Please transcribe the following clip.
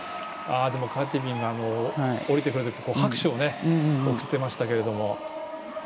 カティビンが降りてくるとき拍手を送っていましたけども。